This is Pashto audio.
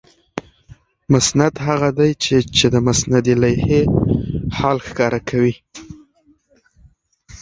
مسند هغه دئ، چي چي د مسندالیه حال ښکاره کوي.